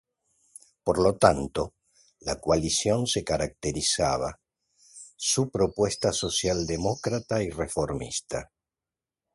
Por lo tanto, la coalición se caracterizaba su propuesta socialdemócrata y reformista.